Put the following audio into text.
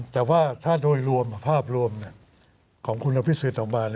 แต่ว่าถ้าโดยรวมภาพรวมของคุณอภิษฐศาสตร์ต่อบ้าน